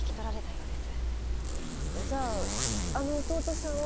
じゃああの弟さんは？